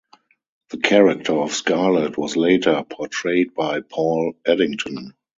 The character of Scarlet was later portrayed by Paul Eddington.